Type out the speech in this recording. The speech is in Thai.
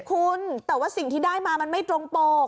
คุณแต่ว่าสิ่งที่ได้มามันไม่ตรงปก